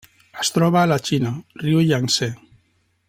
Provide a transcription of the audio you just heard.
Es troba a la Xina: riu Iang-Tsé.